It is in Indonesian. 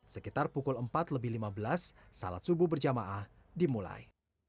sekitar pukul empat lebih lima belas salat subuh berjamaah dimulai